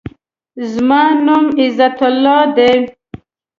زما نوم عزت الله دی.